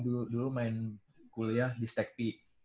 dulu main kuliah di stag p